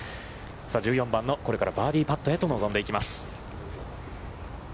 １４番のこれからバーディーパットへと臨んでいきます。